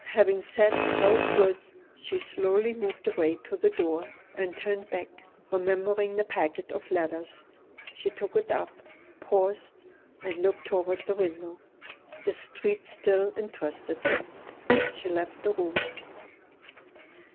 Having said those words she slowly moved away to the door, and turned back, remembering the packet of letters. She took it up, paused, and looked toward the window. The streets still interested him. She left the room.